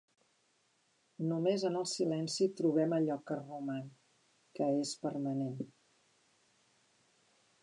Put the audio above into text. Només en el silenci trobem allò que roman, que és permanent.